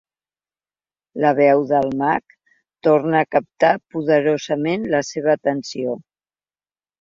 La veu del mag torna a captar poderosament la seva atenció.